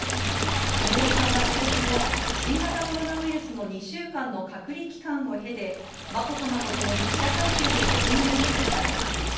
小室さんは帰国後、新型コロナウイルスの２週間の隔離期間を経て、まこさまと共に記者会見に臨むものとみられます。